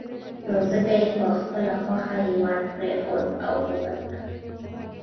نو ځکه یې په خپله خوښه هېواد پرېښود او ووت.